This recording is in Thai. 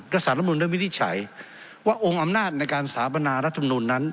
สารรัฐมนุนได้วินิจฉัยว่าองค์อำนาจในการสาปนารัฐมนุนนั้น